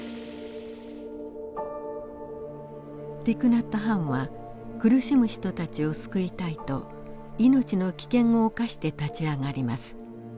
ティク・ナット・ハンは苦しむ人たちを救いたいと命の危険を冒して立ち上がります。